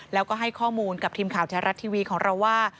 แล้วก็ให้ข้อมูลกับทีมข่าวแท้รัฐทีวีของเราว่า